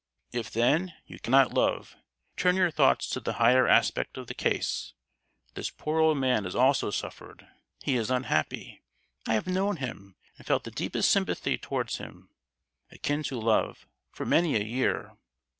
If, then, you cannot love, turn your thoughts to the higher aspect of the case. This poor old man has also suffered—he is unhappy. I have known him, and felt the deepest sympathy towards him—akin to love,—for many a year.